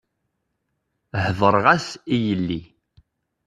Heḍṛeɣ-as i yelli.